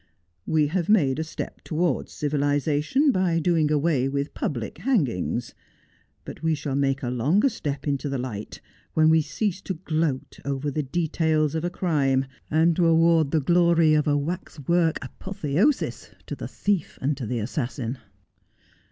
We have made a step towards civilization by doing away with public hangings ; but we shall make a longer step into the light when we cease to gloat over the details of crime, and to award the glory of a waxwork apotheosis to the thief and the assassin.